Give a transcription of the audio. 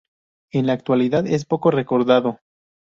En la actualidad es poco recordado.